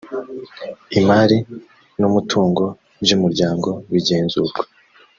imari n umutungo by umuryango bigenzurwa